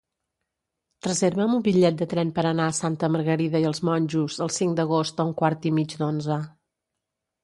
Reserva'm un bitllet de tren per anar a Santa Margarida i els Monjos el cinc d'agost a un quart i mig d'onze.